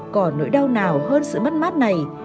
còn nỗi đau nào hơn sự mất mắt này